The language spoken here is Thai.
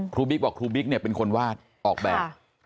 บิ๊กบอกครูบิ๊กเนี่ยเป็นคนวาดออกแบบ